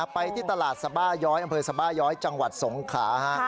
ไปที่ตลาดสบาย้อยอำเภอสบาย้อยจังหวัดสงขลา